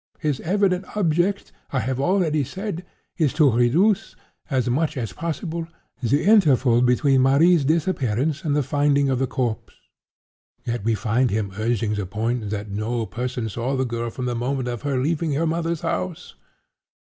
His evident object, I have already said, is to reduce, as much as possible, the interval between Marie's disappearance and the finding of the corpse. Yet we find him urging the point that no person saw the girl from the moment of her leaving her mother's house.